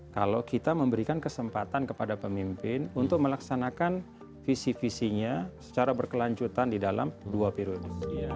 kalau kita memberikan kesempatan kepada pemimpin untuk melaksanakan visi visinya secara berkelanjutan di dalam dua periode